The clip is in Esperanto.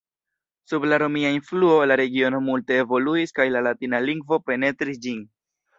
Sub la romia influo la regiono multe evoluis kaj la latina lingvo penetris ĝin.